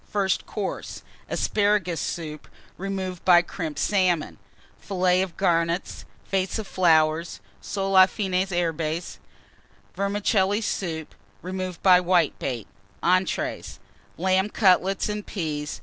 First Course. Asparagus Soup, removed by Crimped Salmon. Fillets of Garnets. Vase of Soles aux fines herbes. Flowers. Vermicelli Soup, removed by Whitebait. Entrées. Lamb Cutlets and Peas.